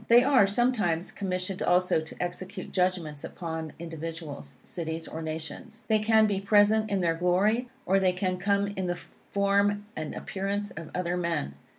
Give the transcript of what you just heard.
They are, sometimes, commissioned also to execute judgments upon individuals, cities or nations. They can be present in their glory, or, they can come in the form and appearance of other men.